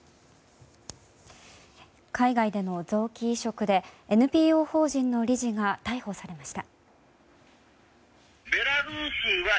海外での臓器移植でＮＰＯ法人の理事が逮捕されました。